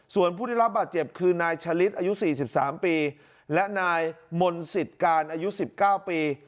ส่วนผู้ได้รับบาดเจ็บคือนายชะลิดอายุ๔๓ปีและนายมนต์สิทธิ์การอายุ๑๙ปี